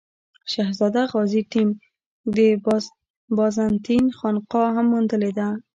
شهزاده غازي ټیم د بازنطین خانقا هم موندلې ده.